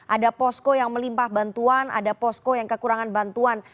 ada posko yang melimpah bantuan ada posko yang kekurangan bantuan